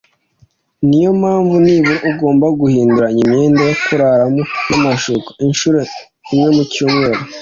niyo mpamvu nibura ugomba guhinduranya imyenda yo kuraramo n’amashuka inshuro imwe mu cyumweru